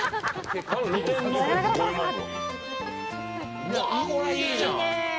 うわあ、いいじゃん。